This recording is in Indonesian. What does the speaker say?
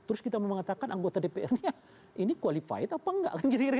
terus kita mau mengatakan anggota dpr ini qualified apa nggak